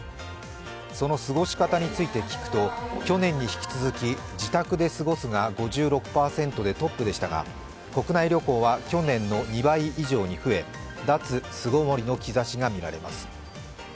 その過ごし方について聞くと去年に引き続き自宅で過ごすが５６％でトップでしたが国内旅行は去年の２倍以上に増え脱巣ごもりの兆しが見られます。